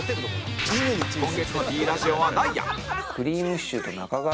今月の Ｐ ラジオはダイアン